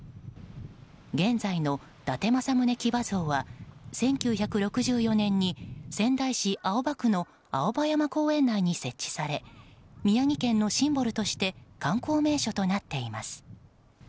現在の伊達政宗騎馬像は１９６４年に仙台市青葉区の青葉山公園内に設置され宮城県のシンボルとして観光名所となっています。